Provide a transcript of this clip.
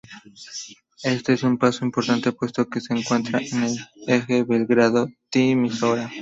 Este es un paso importante, puesto que se encuentra en el eje Belgrado-Timişoara.